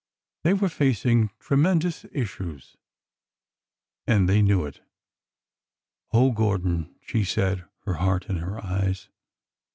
They were facing tremendous issues, and they knew it. '' Oh, Gordon 1 " she said, her heart in her eyes.